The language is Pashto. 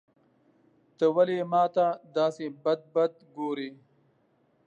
ته ولي ماته داسي بد بد ګورې.